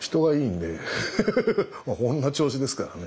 まあこんな調子ですからね。